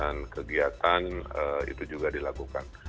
dan kegiatan itu juga dilakukan